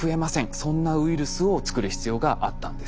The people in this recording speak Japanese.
そんなウイルスを作る必要があったんです。